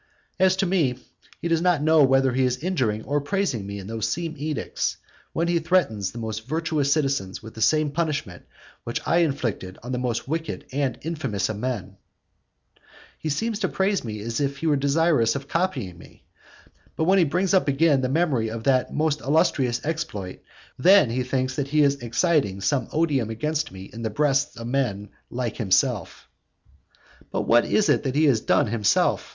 And as to me, he does not know whether he is injuring or praising me in those same edicts. When he threatens the most virtuous citizens with the same punishment which I inflicted on the most wicked and infamous of men, he seems to praise me as if he were desirous of copying me; but when he brings up again the memory of that most illustrious exploit, then he thinks that he is exciting some odium against me in the breasts of men like himself. VIII. But what is it that he has done himself?